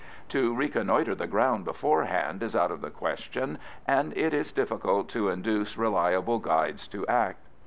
To reconnoitre the ground beforehand is out of the question, and it is difficult to induce reliable guides to act.